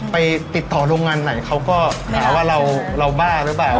ไปติดต่อโรงงานไหนเขาก็หาว่าเราบ้าหรือเปล่า